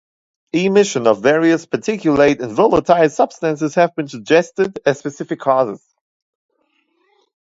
Emission of various particulate and volatile substances has been suggested as specific causes.